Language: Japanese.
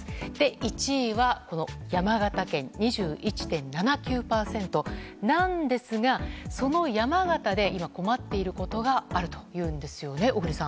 １位は山形県２１．７９％なんですがその山形で今、困っていることがあるそうですね、小栗さん。